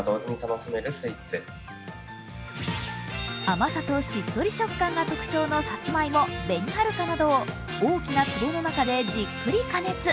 甘さとしっとり食感が特徴のさつまいも、べにはるかなどを大きな壺の中でじっくり加熱。